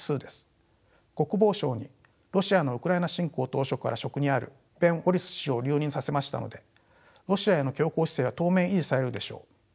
国防相にロシアのウクライナ侵攻当初から職にあるベン・ウォリス氏を留任させましたのでロシアへの強硬姿勢は当面維持されるでしょう。